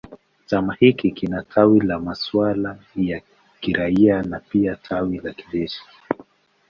Chama hiki kina tawi la masuala ya kiraia na pia tawi la kijeshi.